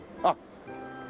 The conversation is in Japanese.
あっ！